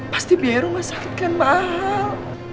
pasti biaya rumah sakit kan mahal